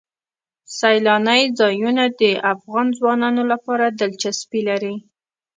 سیلانی ځایونه د افغان ځوانانو لپاره دلچسپي لري.